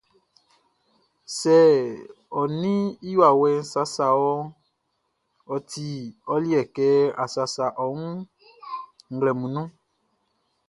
Sɛ kɔnguɛʼn ɔ ninʼn i wawɛʼn sasa wɔʼn, ɔ ti ɔ liɛ kɛ a sasa ɔ wun nglɛmun nunʼn.